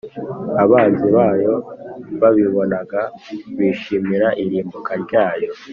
abanzi bayo babibonaga, bishimira irimbuka ryayo.